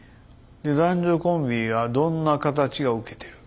男女コンビはどんな形がウケてる。